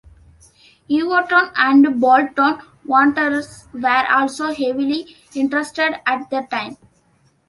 Everton and Bolton Wanderers were also heavily interested at the time.